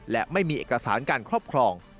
และไม่มีเอกสารการครอบครอง